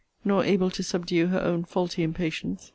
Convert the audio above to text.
Nor able to subdue her own faulty impatience!